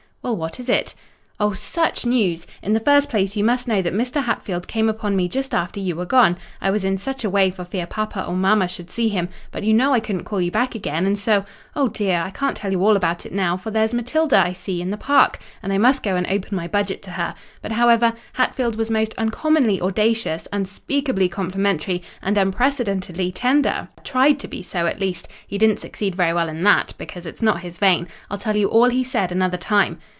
"Well, what is it?" "Oh, such news! In the first place, you must know that Mr. Hatfield came upon me just after you were gone. I was in such a way for fear papa or mamma should see him; but you know I couldn't call you back again, and so!—oh, dear! I can't tell you all about it now, for there's Matilda, I see, in the park, and I must go and open my budget to her. But, however, Hatfield was most uncommonly audacious, unspeakably complimentary, and unprecedentedly tender—tried to be so, at least—he didn't succeed very well in that, because it's not his vein. I'll tell you all he said another time."